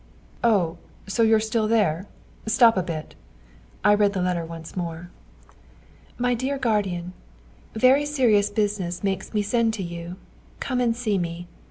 "Oh, so you're still there? Stop a bit!" I read the letter once more. "MY DEAR GUARDIAN, "Very serious business makes me send to you. Come and see me.